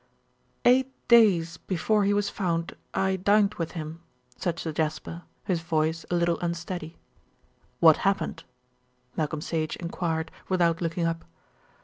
"Eight days before he was found I dined with him," said Sir Jasper, his voice a little unsteady. "What happened?" Malcolm Sage enquired without looking up.